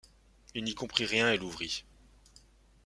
Il n’y comprit rien et l’ouvrit.